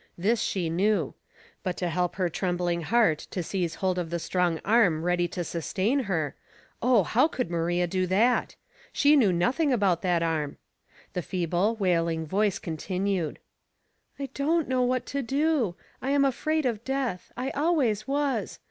This she knew; but to help her trembling heart to seize hold of the strong Arm ready to sustain her. Ah, how could Maria do that? She knew nothing about that Arm. The feeble, wailing voice continued : "I don't know what to do. I am afraid of death. I always was.